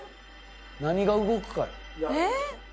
何が動くかや。